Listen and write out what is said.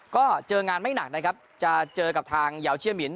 ก็เจองานไม่หนักนะครับจะเจอกับทางยาวเชื่อมิน